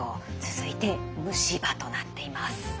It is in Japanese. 続いて虫歯となっています。